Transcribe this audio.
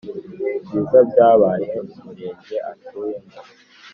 Ibyiza byabaye Murenge atuyemo.